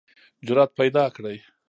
جرئت پیداکړئ